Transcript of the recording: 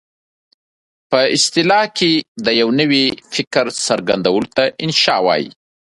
په اصطلاح کې د یوه نوي فکر څرګندولو ته انشأ وايي.